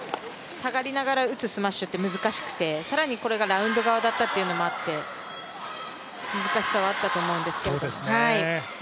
下がりながら打つスマッシュって難しくて更にこれがラウンド側だったというのがあって難しさはあったと思うんですけど。